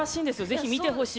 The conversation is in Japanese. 是非見てほしい。